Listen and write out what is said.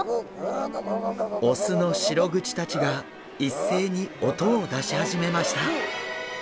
オスのシログチたちが一斉に音を出し始めました。